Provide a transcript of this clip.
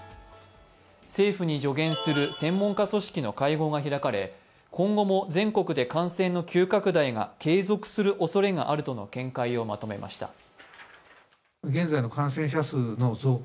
政府に助言する専門家組織の会合が開かれ今後も全国の感染の急拡大が継続するおそれがあるとの見解をまとめました。